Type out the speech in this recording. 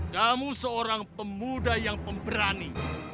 kamu seorang pemuda yang pemberani